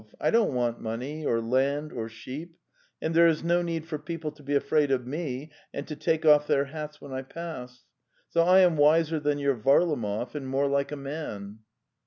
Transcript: I don't want money, or land, or sheep, and there is no need for people to be afraid of me and to take off their hats when I pass. So I am wiser than your Varlamov and more like a man!